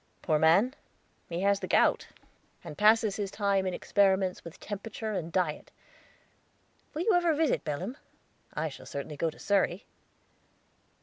Poor man! he has the gout, and passes his time in experiments with temperature and diet. Will you ever visit Belem? I shall certainly go to Surrey."